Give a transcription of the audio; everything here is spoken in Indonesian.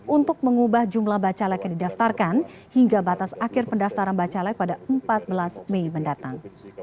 untuk mengubah jumlah bacalek yang didaftarkan hingga batas akhir pendaftaran bacalek pada empat belas mei mendatang